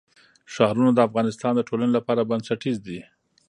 ښارونه د افغانستان د ټولنې لپاره بنسټیز دي.